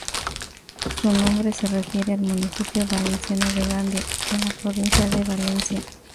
Su nombre se refiere al municipio valenciano de Gandía, en la provincia de Valencia.